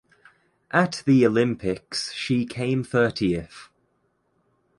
At the Olympics she came thirtieth.